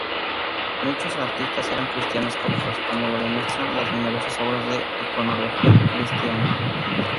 Muchos artistas eran cristianos coptos, como lo demuestran las numerosas obras con iconografía cristiana.